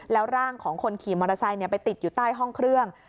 แล้วร่างของคนขี่มอเตอร์ไซค์ไปติดอยู่ใต้ห้องเครื่อง